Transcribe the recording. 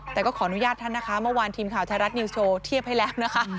แต่ก็ขออนุญาตท่านนะคะเมื่อวานทีมข่าวไทยรัฐนิวสโชว์เทียบให้แล้วนะคะ